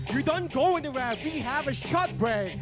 ไม่ต้องไปไหนเราจะไปกัน